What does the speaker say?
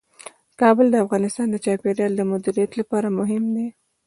کابل د افغانستان د چاپیریال د مدیریت لپاره مهم دي.